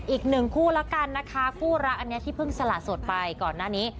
อีกหนึ่งคู่แล้วกันนะคะคู่รักอันนี้ที่เพิ่งสละสดไปก่อนหน้านี้